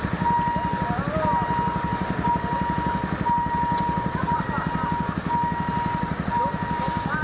โรงพยาบาลโรงพยาบาลโรงพยาบาล